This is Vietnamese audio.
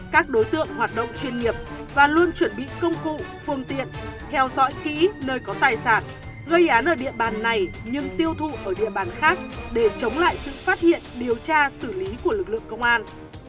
các đối tượng hoạt động chuyên nghiệp và luôn chuẩn bị công cụ phương tiện theo dõi kỹ nơi có tài sản gây án ở địa bàn này nhưng tiêu thụ ở địa bàn khác để chống lại sự phát hiện điều tra xử lý của lực lượng công an